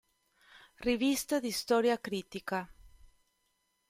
Rivista di Storia Critica".